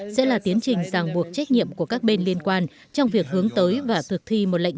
sẽ là tiến trình giang buộc trách nhiệm của các bên liên quan trong việc hướng tới và thực thi một lệnh